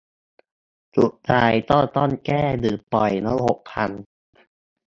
สุดท้ายก็ต้องแก้ หรือปล่อยระบบพัง